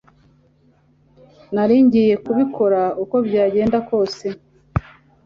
nari ngiye kubikora uko byagenda kose